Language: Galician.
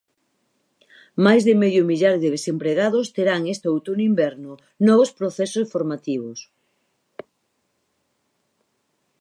Máis de medio millar de desempregados terán este outono-inverno novos procesos formativos.